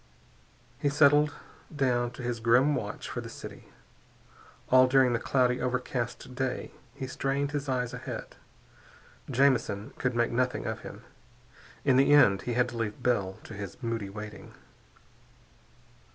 He settled down to his grim watch for the city. All during the cloudy, overcast day he strained his eyes ahead. Jamison could make nothing of him. In the end he had to leave Bell to his moody waiting.